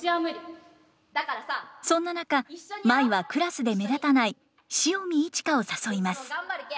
そんな中舞はクラスで目立たない塩見一花を誘います。